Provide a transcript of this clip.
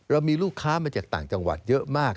เรามีลูกค้ามาจากต่างจังหวัดเยอะมาก